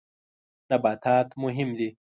نباتات مهم دي.